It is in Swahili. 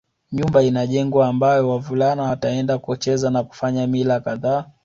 Nyumba inajengwa ambayo wavulana wataenda kucheza na kufanya mila kadhaa